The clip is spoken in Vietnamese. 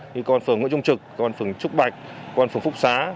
công an phường nguyễn trung trực công an phường trúc bạch công an phường phúc xá